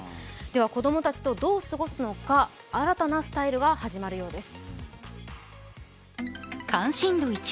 では、子どもたちとどう過ごすのか新たなスタイルが始まるようです。